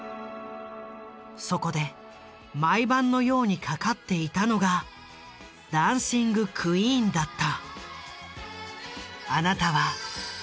そこで毎晩のようにかかっていたのが「ダンシング・クイーン」だった。